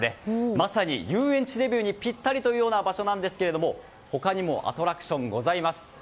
まさに遊園地デビューにぴったりという場所なんですが他にもアトラクションございます。